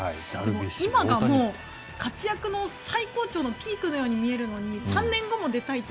今が活躍の最高潮のピークのように見えるのに３年後も出たいって